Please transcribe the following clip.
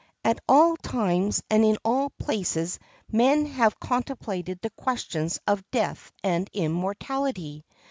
At all times and in all places men have contemplated the questions of death and immortality.